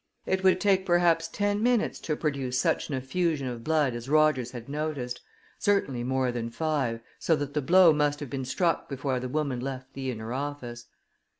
It would take, perhaps, ten minutes to produce such an effusion of blood as Rogers had noticed certainly more than five, so that the blow must have been struck before the woman left the inner office.